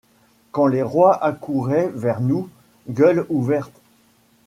Quand les rois accouraient vers nous, gueules ouvertes